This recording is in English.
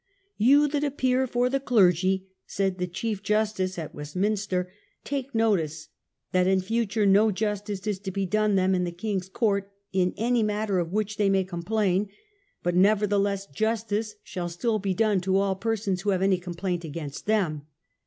"You that appear for the clergy," said the chief justice at Westminster, "take notice that in future no justice is to be done them in the king's court in any matter of which they may complain; but nevertheless justice shall still be done to all persons who have any complaint against them."